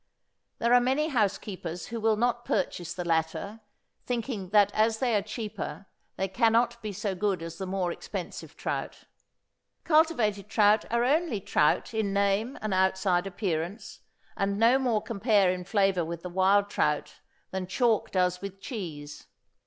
There are many house keepers who will not purchase the latter, thinking that as they are cheaper, they cannot be so good as the more expensive trout. Cultivated trout are only trout in name and outside appearance, and no more compare in flavor with the wild trout than chalk does with cheese.